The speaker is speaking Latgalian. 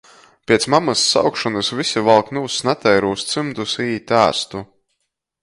Piec mamys saukšonys vysi valk nūst nateirūs cymdus i īt āstu.